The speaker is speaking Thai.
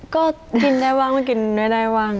ก็กินได้บ้างก็กินไม่ได้บ้าง